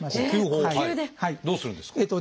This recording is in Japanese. どうするんですか？